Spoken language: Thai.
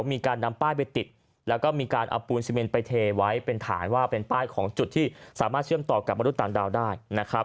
มีการนำป้ายไปติดแล้วก็มีการเอาปูนซีเมนไปเทไว้เป็นฐานว่าเป็นป้ายของจุดที่สามารถเชื่อมต่อกับมนุษย์ต่างดาวได้นะครับ